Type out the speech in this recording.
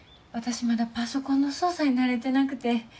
私まだパソコンの操作に慣れてなくて。